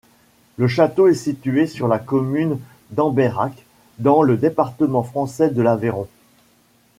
Le château est situé sur la commune d'Ambeyrac, dans le département français de l'Aveyron.